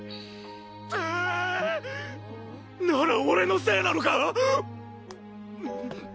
あああ！なら俺のせいなのか！？